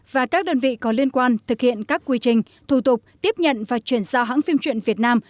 và các đơn vị có liên quan thực hiện các quy trình thủ tục tiếp nhận và chuyển giao hãng phim truyện việt nam